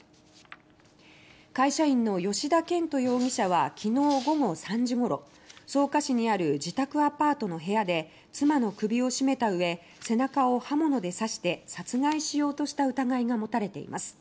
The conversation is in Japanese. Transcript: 会社員の吉田賢人容疑者はきのう午後３時ごろ草加市にある自宅のアパートの部屋で妻の首を絞めたうえ背中を刃物で刺して殺害しようとした疑いが持たれています。